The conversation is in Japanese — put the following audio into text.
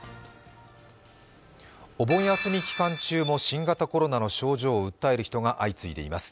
お盆休み期間中も新型コロナの症状を訴える人が相次いでいます。